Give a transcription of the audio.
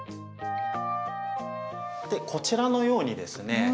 こちらのようにですね